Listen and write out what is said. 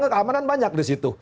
keamanan banyak di situ